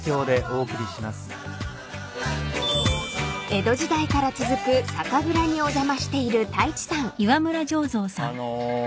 ［江戸時代から続く酒蔵にお邪魔している太一さん］